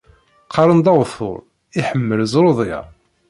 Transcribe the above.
Qqaṛen-d awtul iḥemmel ẓrudeyya.